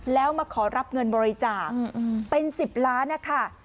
แล้วมาขอรับเงินบริจาคเป็น๑๐ล้านนะคะ